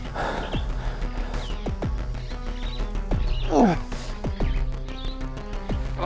aku harus cepat cepat ngurus keberangkatannya